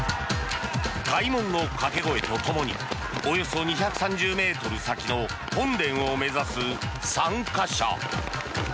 開門の掛け声とともにおよそ２３０ｍ先の本殿を目指す参加者。